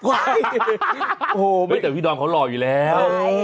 โอ้โหไม่แต่พี่ดอมเขาหล่ออยู่แล้ว